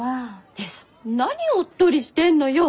姉さん何をおっとりしてんのよ！